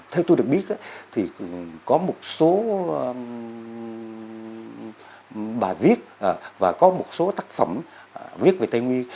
theo tôi được biết thì có một số bài viết và có một số tác phẩm viết về tây nguyên